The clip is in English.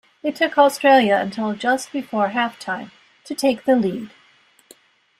It took Australia until just before half-time to take the lead.